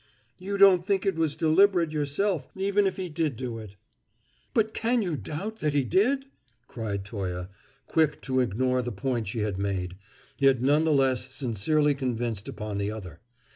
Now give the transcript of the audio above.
"You don't think it was deliberate yourself, even if he did do it." "But can you doubt that he did?" cried Toye, quick to ignore the point she had made, yet none the less sincerely convinced upon the other.